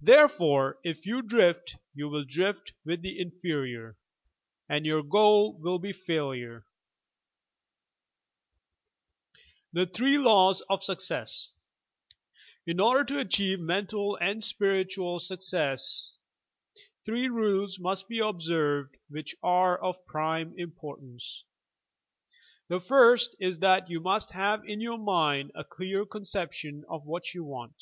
Therefore if you drift you will drift with the inferior, and your goal will be failure." THE THREE LAWS OF SUCCESS In order to achieve mental and spiritual success (and the same rule applies also to worldly success) three rules must be observed which are of prime importance; The first is that you must have in your own mind a clear conception of what you want.